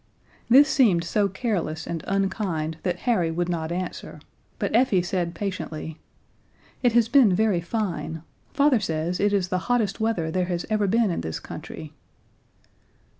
This seemed so careless and unkind that Harry would not answer, but Effie said patiently, "It has been very fine. Father says it is the hottest weather there has ever been in this country."